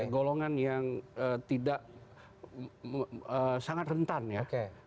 golongan yang tidak sangat rentan ya